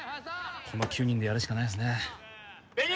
この９人でやるしかないですねベニ！